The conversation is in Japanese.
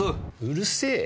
うるせぇ。